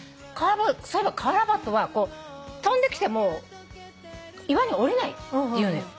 そういえばカワラバトは飛んできても岩に下りないって言うのよ。